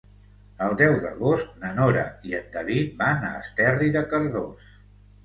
El deu d'agost na Nora i en David van a Esterri de Cardós.